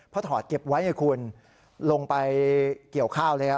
พอถอดเก็บไว้ไงคุณลงไปเกี่ยวข้าวเลย